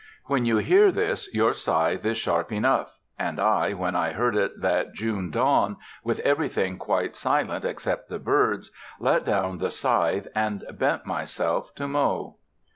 When you hear this, your scythe is sharp enough; and I, when I heard it that June dawn, with everything quite silent except the birds, let down the scythe and bent myself to mow.